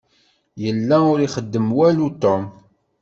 Yella ur ixeddem walu Tom.